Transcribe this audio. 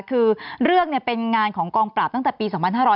คือเรื่องเป็นงานของกองปราบตั้งแต่ปี๒๕๕๙